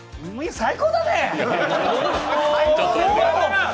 最高だね。